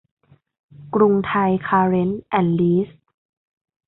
กรุงไทยคาร์เร้นท์ แอนด์ ลีส